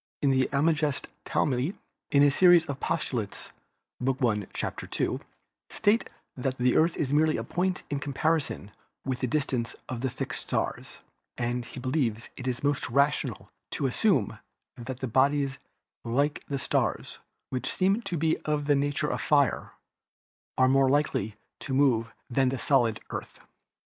In the Almagest Ptalemy in his series of postulates (Book I, chap, ii) states that the Earth is merely a point in comparison with the distance of the fixed stars, and he believes that it is more rational to assume that bodies like the stars, which seem to be of the nature of fire, are more likely to move than the solid Earth.